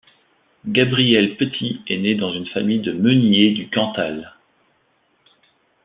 Gabrielle Petit est née dans une famille de meuniers du Cantal.